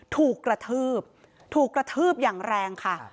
ถูกกระทืบถูกกระทืบอย่างแรงค่ะ